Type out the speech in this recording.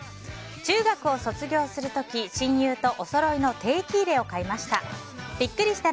中学を卒業する時親友とおそろいの定期入れを買いました。